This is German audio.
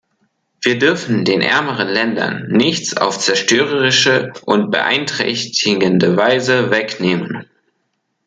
Wir dürfen den ärmeren Ländern nichts auf zerstörerische und beeinträchtigende Weise wegnehmen.